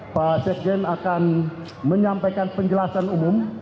pak sekjen akan menyampaikan penjelasan umum